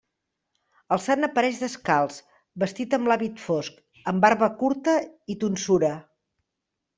El sant apareix descalç, vestit amb l'hàbit fosc, amb barba curta i tonsura.